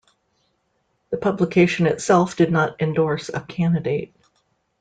The publication itself did not endorse a candidate.